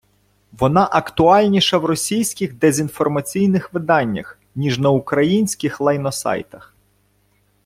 Вона актуальніша в російських дезінформаційних виданнях, ніж на українських лайносайтах.